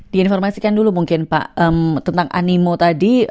diinformasikan dulu mungkin pak tentang animo tadi